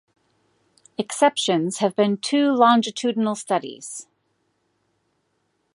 Exceptions have been two longitudinal studies.